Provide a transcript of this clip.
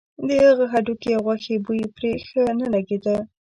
د هغه د هډوکي او غوښې بوی پرې ښه نه لګېده.